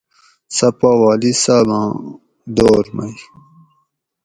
سہۤ پا والی صاباں دور مئ